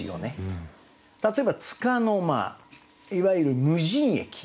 例えば「束の間」いわゆる「無人駅」。